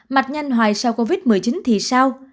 mạch nhanh hoài sau covid một mươi chín thì sao